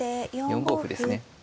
４五歩ですね。